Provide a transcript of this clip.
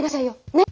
ねっ？